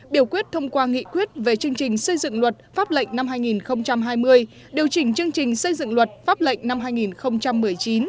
biểu quyết thông qua nghị quyết về chương trình xây dựng luật pháp lệnh năm hai nghìn hai mươi điều chỉnh chương trình xây dựng luật pháp lệnh năm hai nghìn một mươi chín